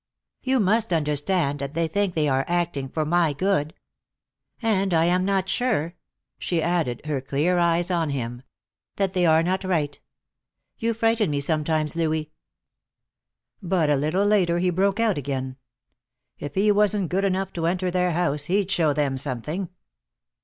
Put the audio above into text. "You must understand that they think they are acting for my good. And I am not sure," she added, her clear eyes on him, "that they are not right. You frighten me sometimes, Louis." But a little later he broke out again. If he wasn't good enough to enter their house, he'd show them something.